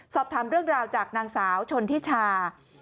สอบถามเรื่องราวจากนางสาวชนทิชา